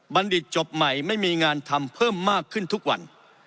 ดิตจบใหม่ไม่มีงานทำเพิ่มมากขึ้นทุกวัน